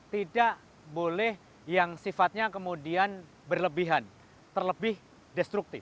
tidak boleh yang sifatnya kemudian berlebihan terlebih destruktif